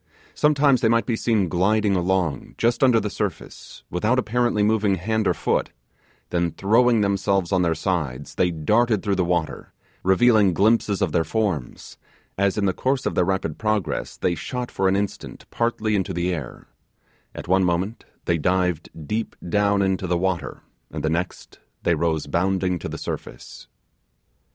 Sometimes they might be seen gliding along just under the surface, without apparently moving hand or foot then throwing themselves on their sides, they darted through the water, revealing glimpses of their forms, as, in the course of their rapid progress, they shot for an instant partly into the air at one moment they dived deep down into the water, and the next they rose bounding to the surface.